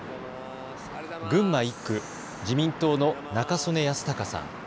群馬１区、自民党の中曽根康隆さん。